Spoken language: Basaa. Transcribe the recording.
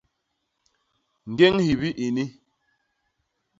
Ñgéñ hibi ini!